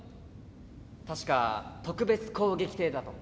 確か特別攻撃艇だと。